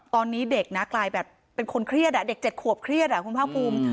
ตอนนี้เด็กนะกลายแบบเป็นคนเครียดอ่ะเด็กเจ็ดขวบเครียดอ่ะคุณพ่างคุม